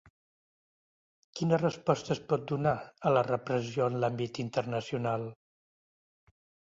Quina resposta es pot donar a la repressió en l’àmbit internacional?